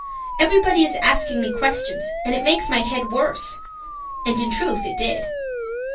Everybody is asking me questions, and it makes my head worse," and in truth it did.